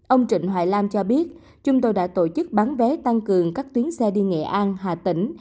ông trịnh hoài nam cho biết chúng tôi đã tổ chức bán vé tăng cường các tuyến xe đi nghệ an hà tĩnh